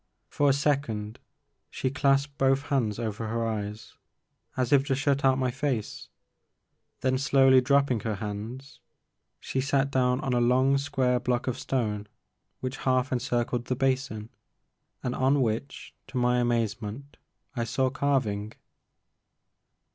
For a second she clasped both hands over her eyes as if to shut out my face, then slowly dropping her hands, she sat down on a long square block of stone which half encircled the basin, and on which to my amazement I saw carving.